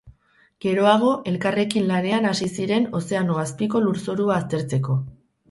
Geroago, elkarrekin lanean hasi ziren ozeano azpiko lurzorua aztertzeko.